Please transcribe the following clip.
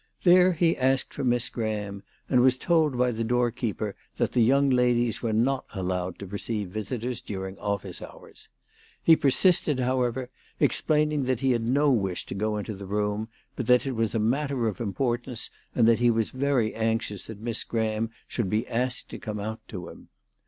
There he asked for Miss Graham, and was told by the doorkeeper that the young ladies were not allowed to receive visitors during office hours. He persisted, however, explaining that he had no wish to go into the room, but that it was a matter of importance, and that he was very anxious that Miss Graham should be asked to come out to him.